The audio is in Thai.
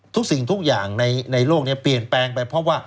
สิ่งทุกอย่างในโลกนี้เปลี่ยนแปลงไปเพราะว่า